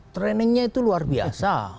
trainingnya itu luar biasa